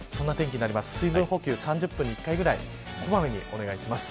水分補給３０分に１回ぐらいこまめにお願いします。